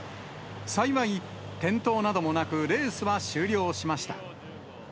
幸い、転倒などもなく、レースは終了しました。